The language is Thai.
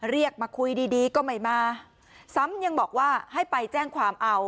เรียกมาคุยดีดีก็ไม่มาซ้ำยังบอกว่าให้ไปแจ้งความเอา